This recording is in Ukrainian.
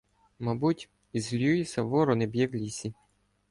Мабуть, із "Люїса" ворони б'є в лісі.